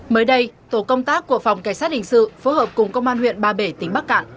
mới đây tổ công tác của phòng cảnh sát hình sự phối hợp cùng công an huyện ba bể tỉnh bắc cạn